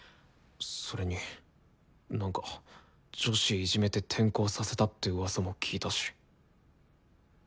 それになんか女子いじめて転校させたってうわさも聞いたし。